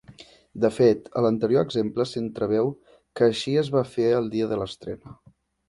De fet, a l'anterior exemple s'entreveu que així es va fer el dia de l'estrena.